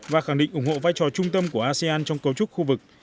và khẳng định ủng hộ vai trò trung tâm của asean trong cấu trúc khu vực